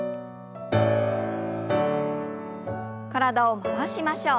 体を回しましょう。